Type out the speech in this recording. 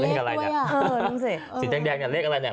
เหล็กอะไรสิิเนงแดงยังเลขอะไรเนี่ย